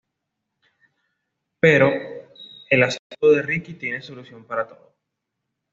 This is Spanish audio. Pero, el astuto de Ricky tiene solución para todo...